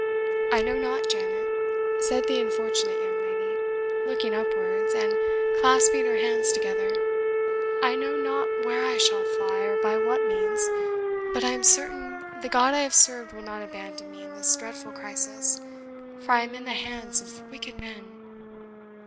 "I know not, Janet," said the unfortunate young lady, looking upwards! and clasping her hands together, "I know not where I shall fly, or by what means; but I am certain the God I have served will not abandon me in this dreadful crisis, for I am in the hands of wicked men."